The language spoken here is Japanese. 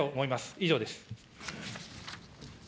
以上です。